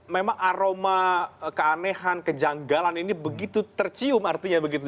memang aroma keanehan kejanggalan ini begitu tercium artinya begitu